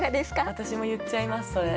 私も言っちゃいますそれ。